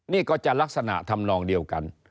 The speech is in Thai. นี่ก็จะลักษณะทำนองเดียวกัน